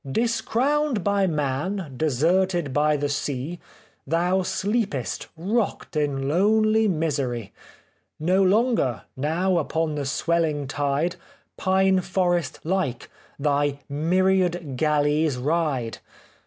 " Discrowned by man, deserted by the sea, Thou sleepest, rocked in lonely misery ! No longer, now upon the swelhng tide, Pine forest hke, thy myriad galleys ride